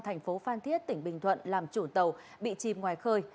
thành phố phan thiết tỉnh bình thuận làm chủ tàu bị chìm ngoài khơi